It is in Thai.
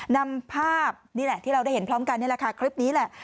นำภาพนี่แหละที่เราได้เห็นพร้อมกันนี่แหละค่ะคลิปนี้แหละ